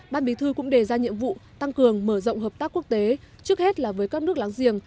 ban bí thư cũng đề ra nhiệm vụ tăng cường mở rộng hợp tác quốc tế trước hết là với các nước láng giềng